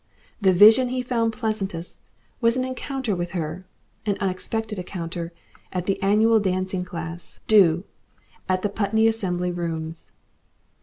The vision he found pleasantest was an encounter with her, an unexpected encounter at the annual Dancing Class 'Do' at the Putney Assembly Rooms.